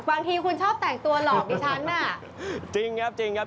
บางทีคุณชอบแต่งตัวหลอกดิฉัน